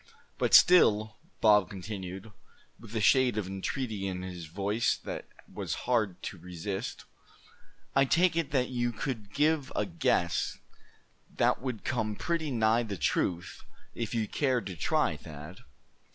"But still," Bob continued, with a shade of entreaty in his voice that was hard to resist, "I take it that you could give a guess that would come pretty nigh the truth, if you cared to try, Thad."